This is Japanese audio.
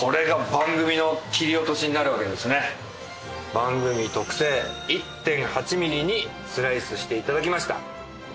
番組特製１．８ミリにスライスして頂きました。